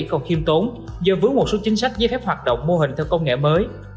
còn khiêm tốn do vướng một số chính sách giấy phép hoạt động mô hình theo công nghệ mới